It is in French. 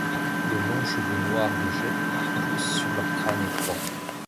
De longs cheveux noirs de jais poussent sur leur crâne étroit.